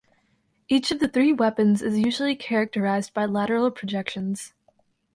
Each of the three weapons is usually characterized by lateral projections.